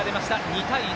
２対１。